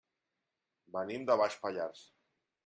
Venim de Baix Pallars.